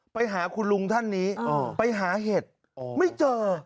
ไปหาคุณลุงท่านนี้ไปหาเห็ดไม่เจอ